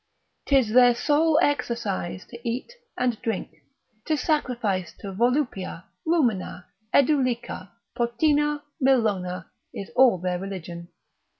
'Tis their sole exercise to eat, and drink; to sacrifice to Volupia, Rumina, Edulica, Potina, Mellona, is all their religion.